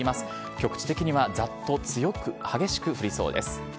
局地的にはざっと強く、激しく降りそうです。